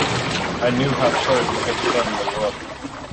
I knew how stern he could suddenly look.